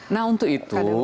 nah untuk itu